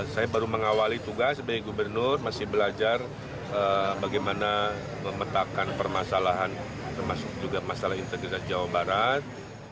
saya baru mengawali tugas sebagai gubernur masih belajar bagaimana memetakkan permasalahan termasuk juga masalah integritas jawa barat